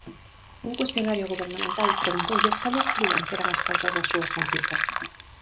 Un cuestionario gobernamental preguntoulles cales crían que eran as causas das súas conquistas.